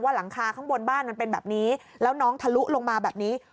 หลังคาข้างบนบ้านมันเป็นแบบนี้แล้วน้องทะลุลงมาแบบนี้